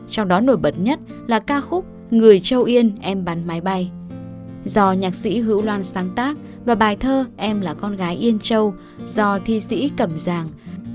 trong đó nổi bật nhất là ca khúc người châu yên em bán máy bay do nhạc sĩ hữu loan sáng tác và bài thơ em là con gái yên châu do thi sĩ cầm giàng